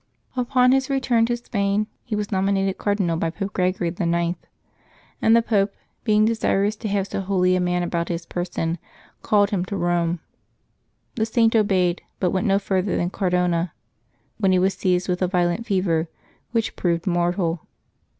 Upon his return to Spain, he was nominated car dinal by Pope Gregory IX., and the Pope, being desirous to have so holy a man about his person, called him to Eome. The Saint obeyed, but went no further than Car dona, when he was seized with a violent fever, which proved mortal.